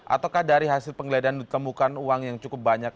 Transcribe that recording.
ataukah dari hasil penggeledahan ditemukan uang yang cukup banyak